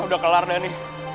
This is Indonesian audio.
ah udah kelar deh ini